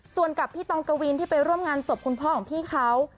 ส่วนกับพี่ตองกวินที่ไปร่วมงานศพคุณพ่อของพี่เขา